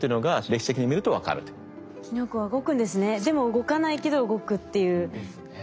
でも動かないけど動くっていう。